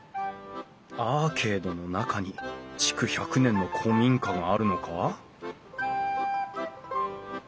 アーケードの中に築１００年の古民家があるのか？